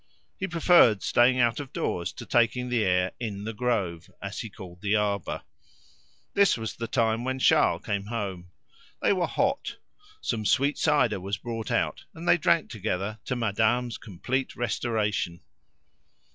He preferred staying out of doors to taking the air "in the grove," as he called the arbour. This was the time when Charles came home. They were hot; some sweet cider was brought out, and they drank together to madame's complete restoration.